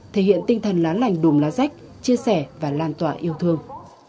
thể hiện tinh thần lá lành đùm lá rách chia sẻ và lan tỏa yêu thương